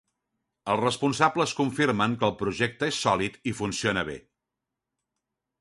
Els responsables confirmen que el projecte és sòlid i funciona bé.